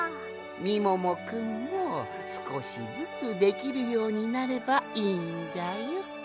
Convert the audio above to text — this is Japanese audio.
みももくんもすこしずつできるようになればいいんじゃよ。